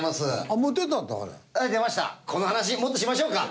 この話もっとしましょうか。